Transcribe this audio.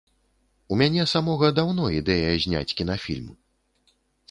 У мяне самога даўно ідэя зняць кінафільм.